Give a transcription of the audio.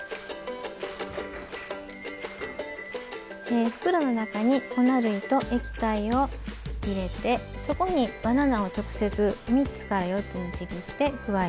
え袋の中に粉類と液体を入れてそこにバナナを直接３つから４つにちぎって加えます。